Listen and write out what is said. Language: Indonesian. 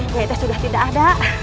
nyai teh sudah tidak ada